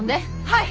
はい！